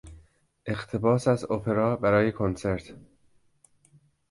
اقتباس از اپرا برای کنسرت